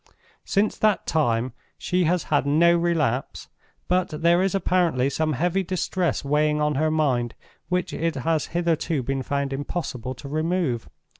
Since that time she has had no relapse, but there is apparently some heavy distress weighing on her mind which it has hitherto been found impossible to remove.